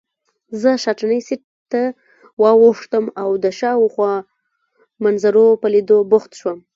زه شاتني سېټ ته واوښتم او د شاوخوا منظرو په لیدو بوخت شوم.